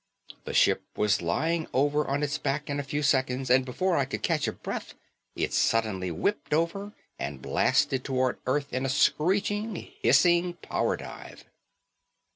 The ship was lying over on its back in a few seconds, and before I could catch a breath it suddenly whipped over and blasted toward Earth in a screeching, hissing power dive.